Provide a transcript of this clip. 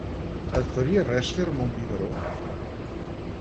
Et faria res fer-me un biberó?